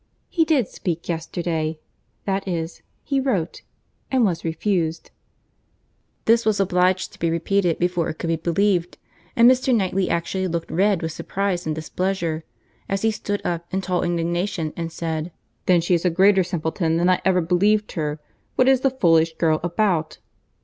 He did speak yesterday—that is, he wrote, and was refused." This was obliged to be repeated before it could be believed; and Mr. Knightley actually looked red with surprize and displeasure, as he stood up, in tall indignation, and said, "Then she is a greater simpleton than I ever believed her. What is the foolish girl about?"